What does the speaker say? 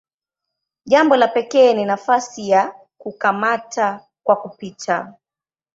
Jambo la pekee ni nafasi ya "kukamata kwa kupita".